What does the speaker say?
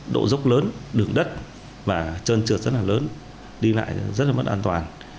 độ dốc lớn đường đất và trơn trượt rất là lớn đi lại rất là mất an toàn